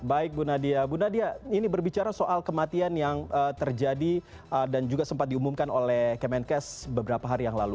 baik bu nadia bu nadia ini berbicara soal kematian yang terjadi dan juga sempat diumumkan oleh kemenkes beberapa hari yang lalu